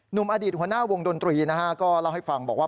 หนุ่มอดีตหัวหน้าวงดนตรีนะฮะก็เล่าให้ฟังบอกว่า